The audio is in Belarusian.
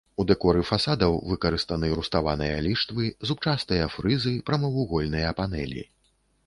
У дэкоры фасадаў выкарыстаны руставаныя ліштвы, зубчастыя фрызы, прамавугольныя панэлі.